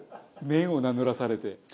麺を名乗らされて。